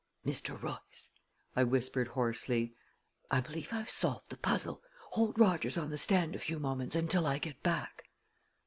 "Mr. Royce," I whispered hoarsely, "I believe I've solved the puzzle. Hold Rogers on the stand a few moments until I get back."